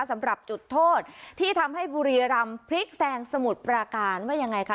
สำหรับจุดโทษที่ทำให้บุรีรำพลิกแซงสมุทรปราการว่ายังไงคะ